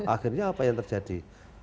akhirnya apa yang terjadi